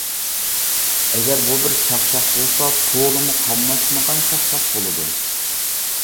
ئەگەر بۇ بىر چاقچاق بولسا تولىمۇ قاملاشمىغان چاقچاق بولىدۇ.